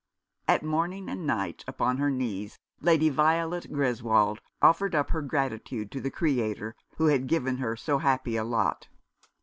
At morning and night, upon her knees, Lady Violet Greswold offered up her gratitude to the Creator, who had given her so happy a lot.